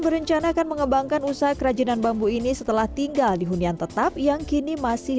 berencana akan mengembangkan usaha kerajinan bambu ini setelah tinggal di hunian tetap yang kini masih